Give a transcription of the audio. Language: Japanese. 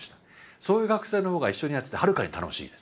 そういう学生の方が一緒にやっててはるかに楽しいです。